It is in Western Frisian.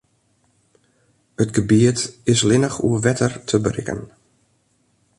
It gebiet is allinnich oer wetter te berikken.